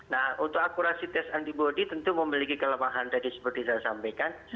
nah untuk akurasi tes antibody tentu memiliki kelemahan tadi seperti saya sampaikan